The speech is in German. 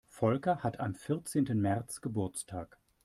Volker hat am vierzehnten März Geburtstag.